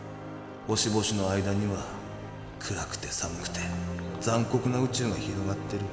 星々の間には暗くて寒くて残酷な宇宙が広がってる。